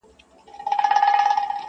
وچې سولې اوښکي ګرېوانونو ته به څه وایو!